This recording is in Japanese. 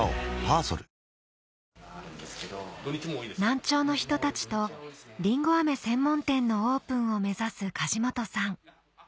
難聴の人たちとりんご飴専門店のオープンを目指す梶本さん